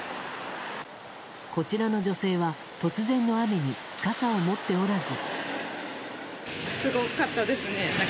こちらの女性は、突然の雨に傘を持っておらず。